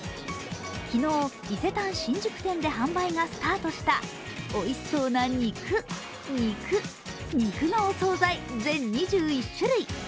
昨日、伊勢丹新宿店で販売がスタートしたおいしそうな肉、肉、肉のお総菜、全２１種類。